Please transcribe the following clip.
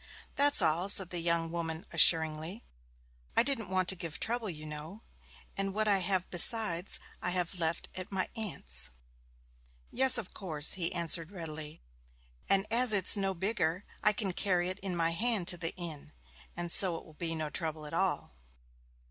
'That's all,' said the young woman assuringly. 'I didn't want to give trouble, you know, and what I have besides I have left at my aunt's.' 'Yes, of course,' he answered readily. 'And as it's no bigger, I can carry it in my hand to the inn, and so it will be no trouble at all.'